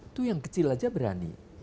itu yang kecil aja berani